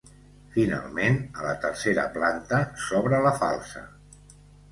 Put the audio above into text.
Finalment, a la tercera planta s'obre la falsa.